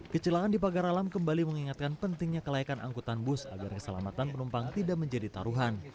kecelakaan di pagar alam kembali mengingatkan pentingnya kelayakan angkutan bus agar keselamatan penumpang tidak menjadi taruhan